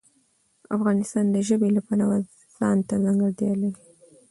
افغانستان د ژبې د پلوه ځانته ځانګړتیا لري.